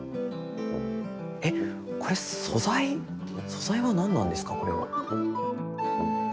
えっこれ素材素材は何なんですかこれは。